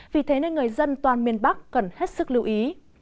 vì thế nên người dân toàn miền bắc cần hết sức lưu ý